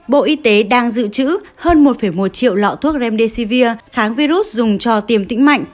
bộ y tế đang dự trữ hơn một một triệu lọ thuốc remdesivir tháng virus dùng cho tiềm tĩnh mạnh